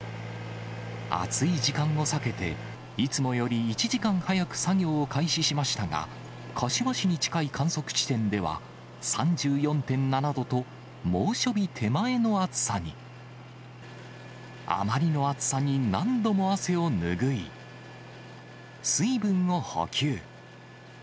暑い時間を避けて、いつもより１時間早く作業を開始しましたが、柏市に近い観測地点では、３４．７度と猛暑日手前の暑さに。あまりの暑さに何度も汗を拭い、水分を補給。